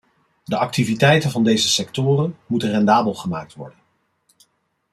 De activiteiten van deze sectoren moeten rendabel gemaakt worden.